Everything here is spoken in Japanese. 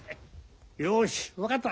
よし分かった。